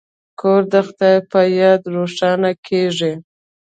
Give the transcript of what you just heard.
کور د خدای په یاد روښانه کیږي.